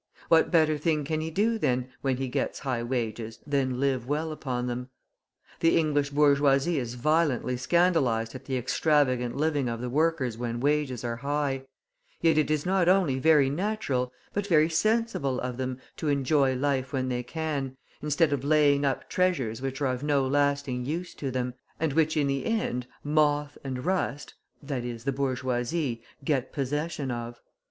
What better thing can he do, then, when he gets high wages, than live well upon them? The English bourgeoisie is violently scandalised at the extravagant living of the workers when wages are high; yet it is not only very natural but very sensible of them to enjoy life when they can, instead of laying up treasures which are of no lasting use to them, and which in the end moth and rust (i.e., the bourgeoisie) get possession of.